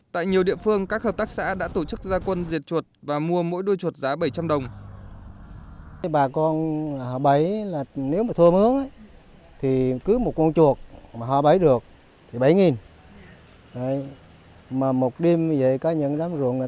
tại nhiều địa phương các hợp tác xã đã tổ chức gia quân diệt chuột và mua mỗi đôi chuột giá bảy trăm linh đồng